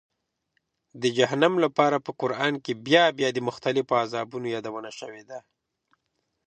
د جهنم لپاره په قرآن کې بیا بیا د مختلفو عذابونو یادونه شوې ده.